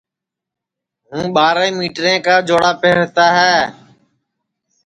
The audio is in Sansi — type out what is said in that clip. ہوں ٻاریں مِٹریں کا چوڑا پہرتا ہے